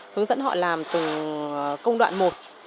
hướng dẫn họ làm từ công đoạn một